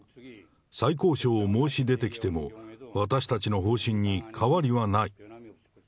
再交渉を申し出てきても、私たちの方針に変わりはない。